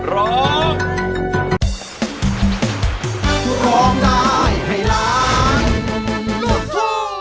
ร้อง